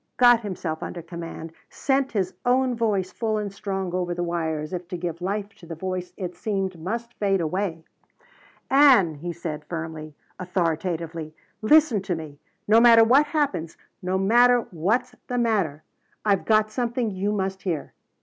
Got himself under command; sent his own voice full and strong over the wire as if to give life to the voice it seemed must fade away. "Ann," he said firmly, authoritatively, "listen to me. No matter what happens no matter what's the matter I've got something you must hear.